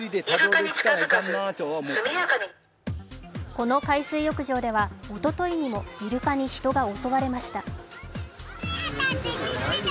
この海水浴場ではおとといにもイルカに人が襲われました。